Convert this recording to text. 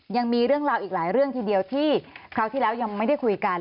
ยังมีเรื่องราวอีกหลายเรื่องทีเดียวที่คราวที่แล้วยังไม่ได้คุยกัน